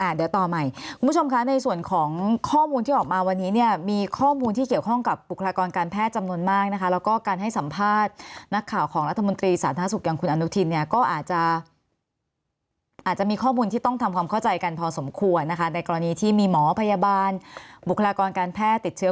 เดี๋ยวต่อใหม่คุณผู้ชมคะในส่วนของข้อมูลที่ออกมาวันนี้เนี่ยมีข้อมูลที่เกี่ยวข้องกับบุคลากรการแพทย์จำนวนมากนะคะแล้วก็การให้สัมภาษณ์นักข่าวของรัฐมนตรีสาธารณสุขอย่างคุณอนุทินเนี่ยก็อาจจะอาจจะมีข้อมูลที่ต้องทำความเข้าใจกันพอสมควรนะคะในกรณีที่มีหมอพยาบาลบุคลากรการแพทย์ติดเชื้อ